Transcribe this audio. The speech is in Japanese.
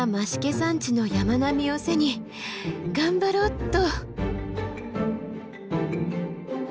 山地の山並みを背に頑張ろっと！